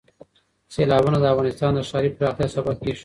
سیلابونه د افغانستان د ښاري پراختیا سبب کېږي.